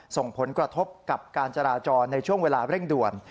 ส่งผลกระทบกับการจราจรในช่วงเวลาเร่งด่วน